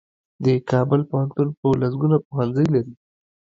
د کابل پوهنتون په لسګونو پوهنځۍ لري.